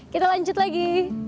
kita lanjut lagi